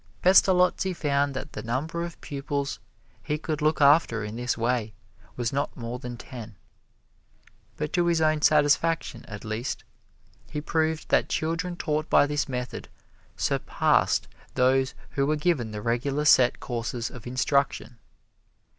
Pestalozzi found that the number of pupils he could look after in this way was not more than ten. But to his own satisfaction, at least, he proved that children taught by his method surpassed those who were given the regular set courses of instruction.